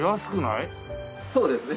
そうですね。